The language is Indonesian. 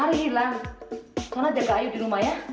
ari hilang sona jaga ayu di rumah ya